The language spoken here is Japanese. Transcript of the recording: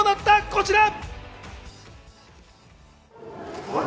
こちら。